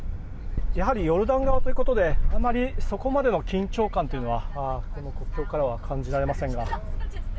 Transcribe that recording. やはりヨルダン側ということでそこまでの緊張感というものは国境からは感じられませんが。